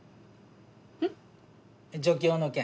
ん？助教の件。